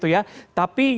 tapi yang cukup penting